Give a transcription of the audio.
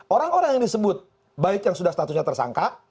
orang orang yang disebut baik yang sudah statusnya tersangka